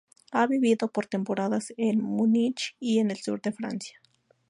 Ha vivido por temporadas en Múnich y en el sur de Francia.